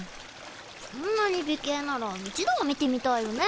そんなに美形なら一度は見てみたいよね。